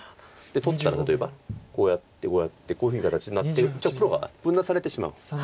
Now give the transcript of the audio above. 取ったら例えばこうやってこうやってこういうふうに形になって黒が分断されてしまう。